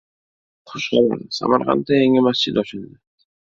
Xushxabar: Samarqandda yangi masjid ochildi!